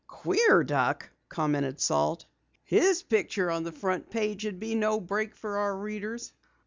"Queer duck," commented Salt. "His picture on the front page would be no break for our readers!"